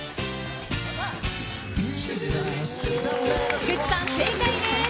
菊池さん、正解です！